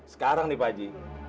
sekarang nih pak ajie